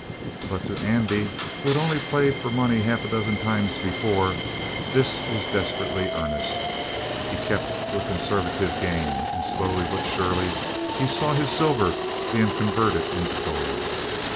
But to Andy, who had only played for money half a dozen times before, this was desperately earnest. He kept to a conservative game, and slowly but surely he saw his silver being converted into gold.